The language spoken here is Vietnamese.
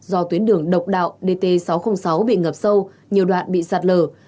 do tuyến đường độc đạo dt sáu trăm linh sáu bị ngập sâu nhiều đoạn bị sạt lở